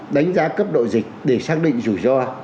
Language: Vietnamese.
đánh giá cấp độ dịch để xác định rủi ro